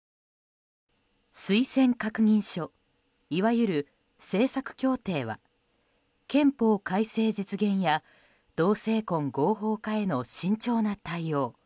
推薦確認書、いわゆる政策協定は憲法改正実現や同性婚合法化への慎重な対応